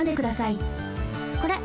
これ。